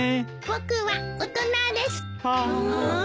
僕は大人です。